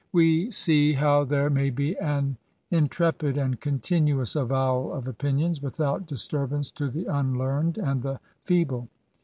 We see how there may be an intrepid and continuous avowal of opinions, without dis turbance to the unlearned and the feeble.